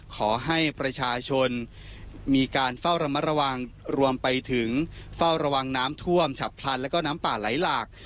ขอให้ประชาชนมีการเฝ้าระมัดระวังรวมไปถึงเฝ้าระวังน้ำท่วมฉับพลันแล้วก็น้ำป่าไหลหลาก